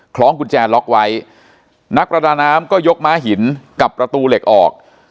ล้องกุญแจล็อกไว้นักประดาน้ำก็ยกม้าหินกับประตูเหล็กออก